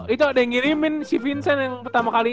itu ada yang ngirimin si vincent yang pertama kali